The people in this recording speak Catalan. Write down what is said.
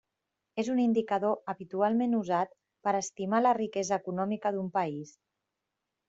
És un indicador habitualment usat per estimar la riquesa econòmica d'un país.